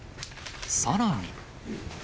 さらに。